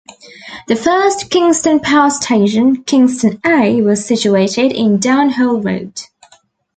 The first Kingston power station, Kingston A, was situated in Down Hall Road.